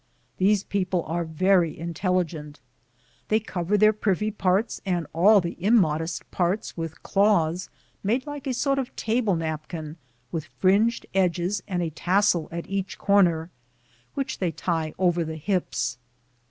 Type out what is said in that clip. These people are very intelligent. They cover their privy parts and all the immodest parts with cloths made like a sort of table napkin, with fringed edges and a tassel at each corner, which they tie over the hips.